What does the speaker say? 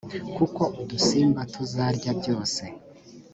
kuko udusimba tuzarya byose.